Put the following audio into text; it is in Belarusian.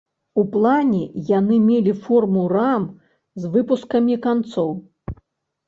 У плане яны мелі форму рам з выпускамі канцоў.